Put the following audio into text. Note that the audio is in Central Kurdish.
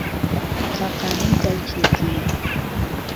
تاقانەی دایکیەتی